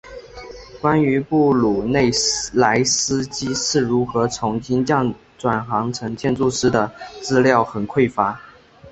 关于布鲁内莱斯基是如何从金匠转行成建筑师的资料很匮乏。